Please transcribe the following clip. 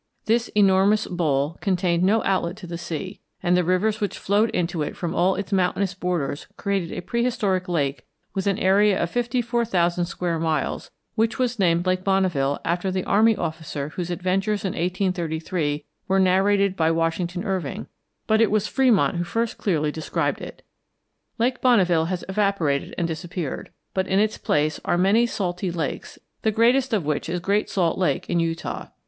This enormous bowl contained no outlet to the sea, and the rivers which flowed into it from all its mountainous borders created a prehistoric lake with an area of fifty four thousand square miles which was named Lake Bonneville after the army officer whose adventures in 1833 were narrated by Washington Irving; but it was Fremont who first clearly described it. Lake Bonneville has evaporated and disappeared, but in its place are many salty lakes, the greatest of which is Great Salt Lake in Utah.